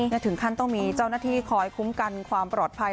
และถึงขั้นต้องมีเจ้าหน้าที่คอยคุ้มกันความปลอดภัย